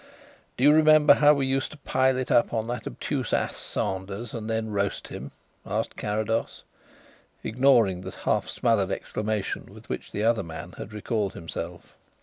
"Do you remember how we used to pile it up on that obtuse ass Sanders, and then roast him?" asked Carrados, ignoring the half smothered exclamation with which the other man had recalled himself.